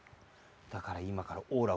だからいまからオーラをけす。